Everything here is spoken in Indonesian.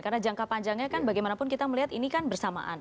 karena jangka panjangnya kan bagaimanapun kita melihat ini kan bersamaan